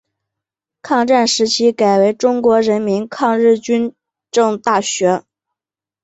抗战时期改为中国人民抗日军政大学。